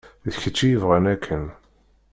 D kečč i yebɣan akken.